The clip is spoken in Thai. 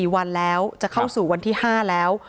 ๔วันแล้วจะเข้าสู่วันที่๕แล้ว